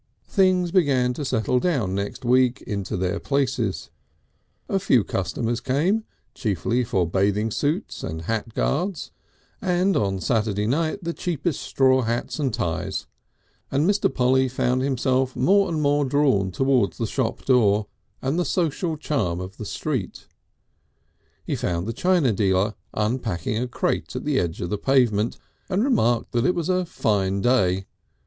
Things began to settle down next week into their places. A few customers came, chiefly for bathing suits and hat guards, and on Saturday night the cheapest straw hats and ties, and Mr. Polly found himself more and more drawn towards the shop door and the social charm of the street. He found the china dealer unpacking a crate at the edge of the pavement, and remarked that it was a fine day.